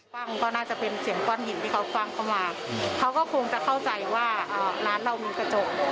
มันก็น่าจะเป็นเสียงก้อนหินที่เขาฟังเข้ามาเขาก็คงจะเข้าใจว่าร้านเรามีกระจก